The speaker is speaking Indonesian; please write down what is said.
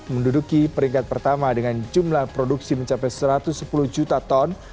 menduduki peringkat pertama dengan jumlah produksi mencapai satu ratus sepuluh juta ton